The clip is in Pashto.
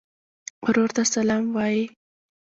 ورور ته سلام وایې.